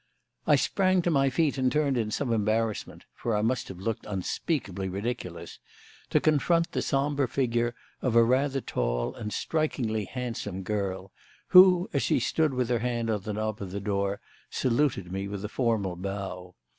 I sprang to my feet and turned in some embarrassment (for I must have looked unspeakably ridiculous) to confront the sombre figure of a rather tall and strikingly handsome girl, who, as she stood with her hand on the knob of the door, saluted me with a formal bow.